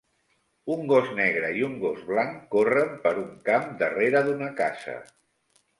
Un gos negre i un gos blanc corren per un camp darrere d'una casa.